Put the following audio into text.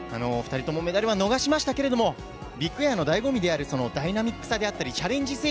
２人ともメダルは逃しましたけれども、ビッグエアのだいご味であるそのダイナミックさであったり、チャレンジ